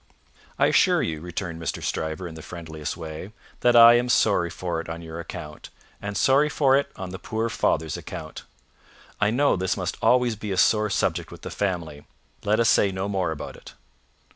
"I assure you," returned Mr. Stryver, in the friendliest way, "that I am sorry for it on your account, and sorry for it on the poor father's account. I know this must always be a sore subject with the family; let us say no more about it."